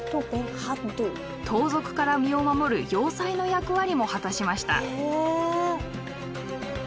盗賊から身を守る要塞の役割も果たしました。